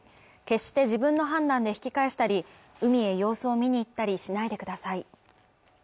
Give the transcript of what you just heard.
決して自分の判断で引き返したり、海へ様子を見に行ったりしないでください。